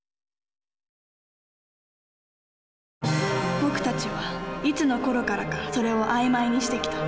僕たちはいつのころからか「それ」を曖昧にしてきた。